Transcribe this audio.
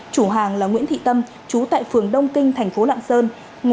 chủ hàng là nguyễn thị tâm chú tại phường đông kinh thành phố lạng sơn